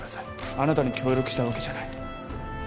あなたに協力したわけじゃない。